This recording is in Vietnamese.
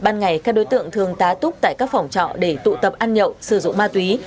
ban ngày các đối tượng thường tá túc tại các phòng trọ để tụ tập ăn nhậu sử dụng ma túy